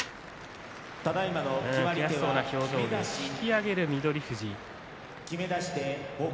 悔しそうな表情で引き揚げる翠富士。